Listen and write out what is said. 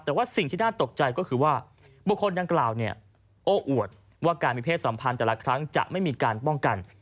แต่ว่าสิ่งที่น่าตกใจก็คือว่าบุคคลดังกล่าวเนี่ยโอ้อวดว่าการมีเพศสัมพันธ์แต่ละครั้งจะไม่มีการป้องกัน